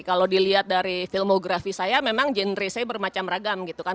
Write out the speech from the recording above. kalau dilihat dari film mografi saya memang genre saya bermacam ragam gitu kan